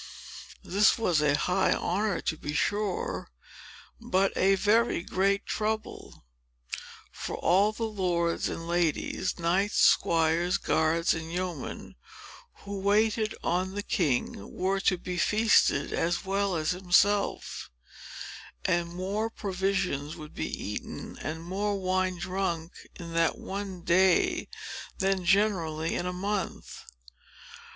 This was a high honor to be sure, but a very great trouble; for all the lords and ladies, knights, squires, guards, and yeomen, who waited on the king, were to be feasted as well as himself; and more provisions would be eaten, and more wine drunk, in that one day, than generally in a month.